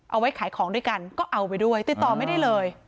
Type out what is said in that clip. เอาไว้ขายของด้วยกันก็เอาไปด้วยติดต่อไม่ได้เลย